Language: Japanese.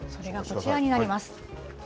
それが、こちらになります。